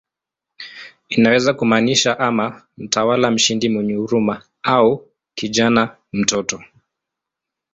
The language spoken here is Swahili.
Inaweza kumaanisha ama "mtawala mshindi mwenye huruma" au "kijana, mtoto".